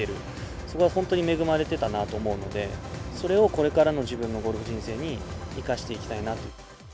そこは本当に恵まれてたなって思うので、それをこれからの自分のゴルフ人生に生かしていきたいなと。